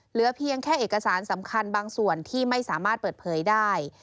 เหลือเพียงแค่เอกสารสำคัญบางส่วนที่ไม่สามารถเปิดเผยได้